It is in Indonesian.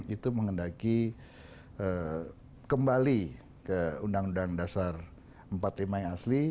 itu mengendaki kembali ke undang undang dasar empat puluh lima yang asli